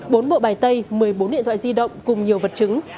bốn bộ bài tay một mươi bốn điện thoại di động cùng nhiều vật chứng